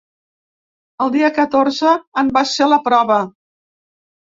El dia catorze en va ser la prova.